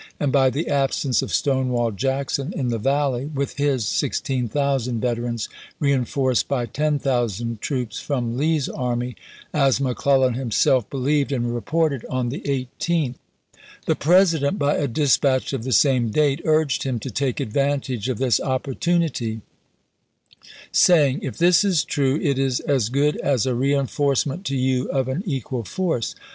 p. 232. by the absence of Stonewall Jackson in the Valley with his 16,000 veterans, reenforced by 10,000 troops from Lee's army, as McClellan himself be lieved and reported on the 18th. The President, ™<i by a dispatch of the same date, urged him to take advantage of this opportunity, saying : If this is true, it is as good as a reenforcement to you of an equal force.